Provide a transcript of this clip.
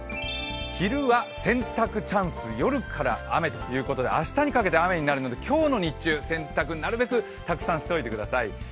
昼は洗濯チャンス夜から雨ということで明日にかけて雨になるので今日の日中、洗濯なるべくたくさんしておいてください。